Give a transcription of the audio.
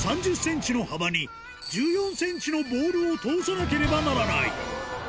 およそ３０センチの幅に、１４センチのボールを通さなければならない。